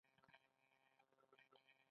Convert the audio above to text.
د دره صوف سکاره څومره حرارت لري؟